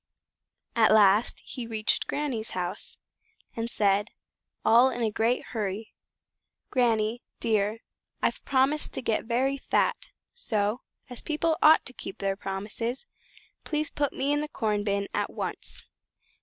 At last he reached his Granny's house, and said, all in a great hurry, "Granny, dear, I've promised to get very fat; so, as people ought to keep their promises, please put me into the corn bin at once."